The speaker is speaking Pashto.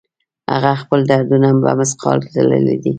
هغه خپل دردونه په مثقال تللي دي